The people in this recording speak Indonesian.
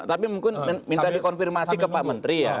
tapi mungkin minta dikonfirmasi ke pak menteri ya